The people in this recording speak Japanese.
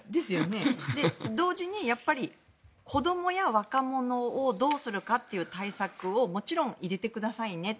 同時に子どもや若者をどうするかという対策をもちろん入れてくださいねと。